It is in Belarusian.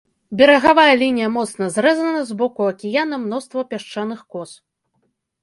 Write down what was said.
Берагавая лінія моцна зрэзана, з боку акіяна мноства пясчаных кос.